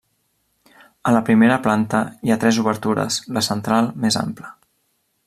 A la primera planta hi ha tres obertures, la central més ampla.